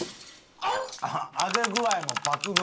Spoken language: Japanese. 揚げ具合も抜群。